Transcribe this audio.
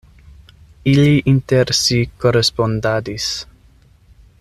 Ili inter si korespondadis.